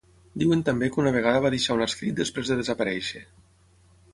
Diuen també que una vegada va deixar un escrit després de desaparèixer.